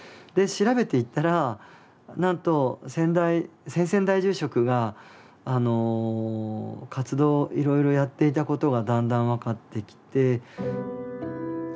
で調べていったらなんと先代先々代住職が活動をいろいろやっていたことがだんだん分かってきて。